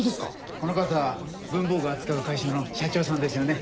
この方文房具を扱う会社の社長さんですよね。